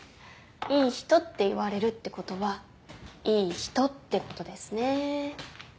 いい人って言われるってことはいい人ってことですね。